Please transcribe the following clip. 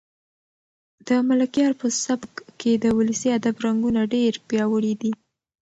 د ملکیار په سبک کې د ولسي ادب رنګونه ډېر پیاوړي دي.